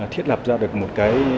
thiết lập ra được một cái